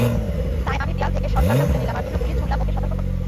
তাই আমি দেয়াল থেকে শটগানটা তুলে নিলাম আর দুটো গুলি ছুঁড়লাম ওকে সতর্ক করতে।